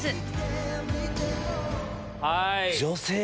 はい。